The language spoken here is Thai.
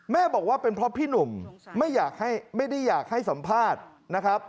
บอกว่าเป็นเพราะพี่หนุ่มไม่ได้อยากให้สัมภาษณ์นะครับ